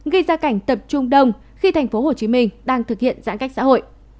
gây ra cảnh tập trung đông khi tp hcm đang thực hiện giãn cách xã hội